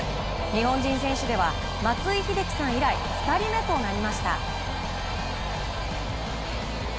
日本人選手では松井秀喜さん以来２人目となりました。